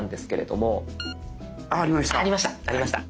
ああありました。